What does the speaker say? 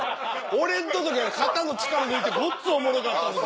俺の時肩の力抜いてごっつおもろかったのに。